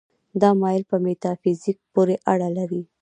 دا مسایل په میتافیزیک پورې اړه لري.